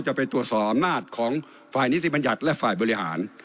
จะไปตรวจสอบอำนาจของฝ่ายนิติบัญญัติและฝ่ายบริหาร